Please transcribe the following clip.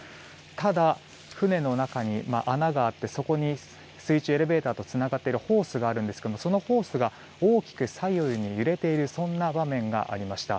ただ、船の中に穴があってそこに水中エレベーターとつながっているホースがあるんですがそのホースが大きく左右に揺れているそんな場面がありました。